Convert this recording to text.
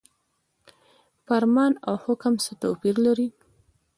فرمان او حکم څه توپیر لري؟